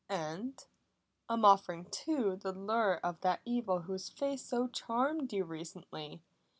And I'm offering too the lure of that evil whose face so charmed you recently.